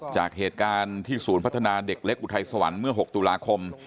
จากเหตุการณ์ที่ศูนย์พัฒนาเด็กเล็กอุทัยสวรรค์เมื่อ๖ตุลาคม